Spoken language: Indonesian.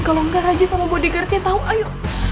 kalau enggak rajit sama bodyguardnya tau ayo